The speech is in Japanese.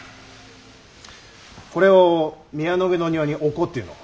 これを宮野花の庭に置こうっていうの？